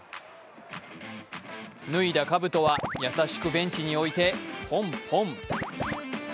脱いだかぶとは、優しくベンチに置いてポンポン。